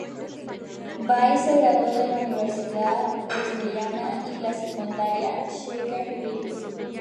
Bays se graduó de la Universidad Wesleyana, y de la secundaria Shaker Heights.